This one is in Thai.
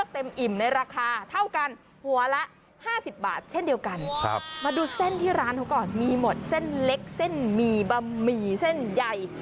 ที่ร้านเขาก่อนมีหมดเส้นเล็กเส้นมี่บะหมี่เส้นใหญ่